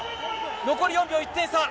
残り４秒、１点差。